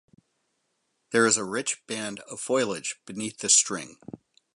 There is a rich band of foliage beneath the string.